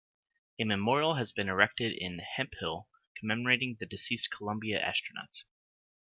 A memorial has been erected in Hemphill commemorating the deceased "Columbia" astronauts.